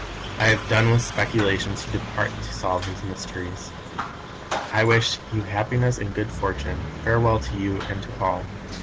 I have done with speculations who depart to solve these mysteries. "I wish you happiness and good fortune. Farewell to you and to all.